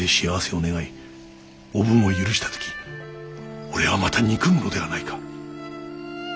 おぶんを許した時俺はまた憎むのではないか。